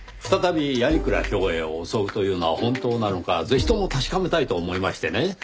再び鑓鞍兵衛を襲うというのは本当なのかぜひとも確かめたいと思いましてね。